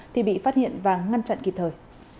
thì bị phát hiện và ngăn chặn kịp thời